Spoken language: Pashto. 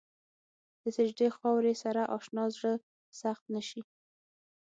د سجدې خاورې سره اشنا زړه سخت نه شي.